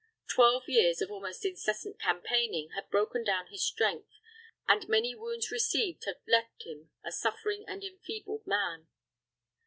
Twelve years of almost incessant campaigning had broken down his strength, and many wounds received had left him a suffering and enfeebled man.